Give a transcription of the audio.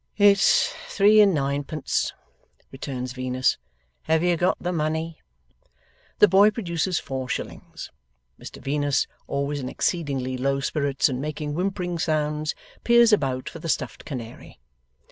'It's three and ninepence,' returns Venus; 'have you got the money?' The boy produces four shillings. Mr Venus, always in exceedingly low spirits and making whimpering sounds, peers about for the stuffed canary.